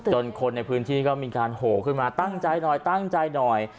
คนในพื้นที่ก็มีการโหขึ้นมาตั้งใจหน่อยตั้งใจหน่อย